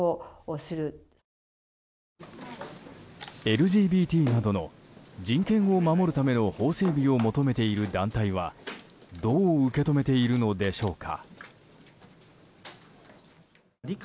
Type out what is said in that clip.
ＬＧＢＴなどの人権を守るための法整備を求めている団体は、どう受け止めているのでしょうか。